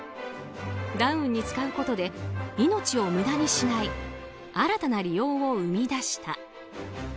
ダウンに使うことで命を無駄にしない新たな利用を生み出した。